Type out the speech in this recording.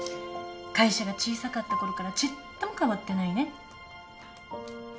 会社が小さかったころからちっとも変わってないね。